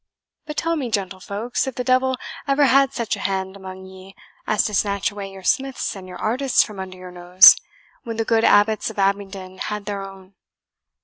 But tell me, gentlefolks, if the devil ever had such a hand among ye, as to snatch away your smiths and your artists from under your nose, when the good Abbots of Abingdon had their own?